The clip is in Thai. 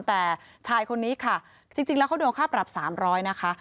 แต่ชายคนนี้ค่ะจริงแล้วเขาโดนค่าปรับ๓๐๐นะคะ